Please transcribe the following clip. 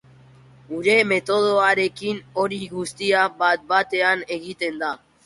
Gure metodoarekin hori guztia bat-batean egiten da.